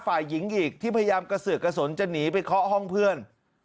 ฝ่ายหญิงอีกที่พยายามกระเสือกกระสนจะหนีไปเคาะห้องเพื่อน